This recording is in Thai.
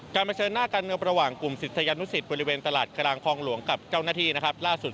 เผชิญหน้าการเมืองระหว่างกลุ่มศิษยานุสิตบริเวณตลาดกลางคลองหลวงกับเจ้าหน้าที่นะครับล่าสุด